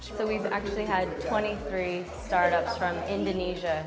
jadi kita sebenarnya telah memiliki dua puluh tiga startup dari indonesia